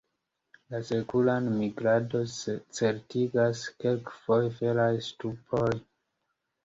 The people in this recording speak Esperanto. La sekuran migradon certigas kelkfoje feraj ŝtupoj.